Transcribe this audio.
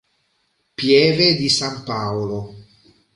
Pieve di San Paolo